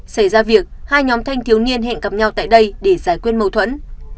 xảy ra việc hai nhóm thanh thiếu niên hẹn gặp nhau tại đây để giải quyết mâu thuẫn